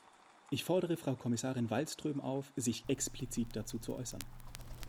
Ich fordere Frau Kommissarin Wallström auf, sich explizit dazu zu äußern.